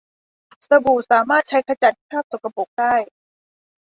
สบู่สามารถใช้ขจัดคราบสกปรกได้